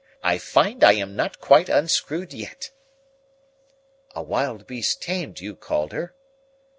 I find I am not quite unscrewed yet." "A wild beast tamed, you called her."